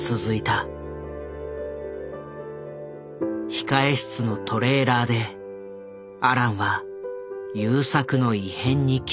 控室のトレーラーでアランは優作の異変に気付いた。